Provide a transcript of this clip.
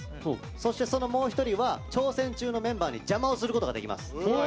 そしてそのもう１人は挑戦中のメンバーに邪魔をすることができます。